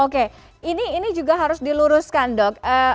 oke ini juga harus diluruskan dok